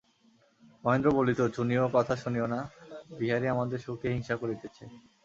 মহেন্দ্র বলিত, চুনি ও কথা শুনিয়ো না–বিহারী আমাদের সুখে হিংসা করিতেছে।